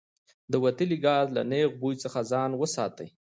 د وتلي ګاز له نیغ بوی څخه ځان وساتئ.